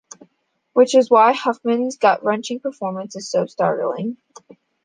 Which is why Huffman's gut-wrenching performance is so startling.